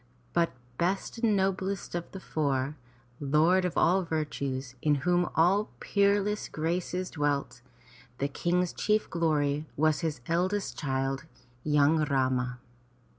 But best and noblest of the four, lord of all virtues, in whom all peerless graces dwelt, the King's chief glory was his eldest child, young Rama.